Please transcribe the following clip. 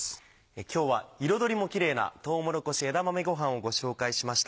今日は彩りもキレイな「とうもろこし枝豆ごはん」をご紹介しました。